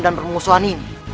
dan bermusuhan ini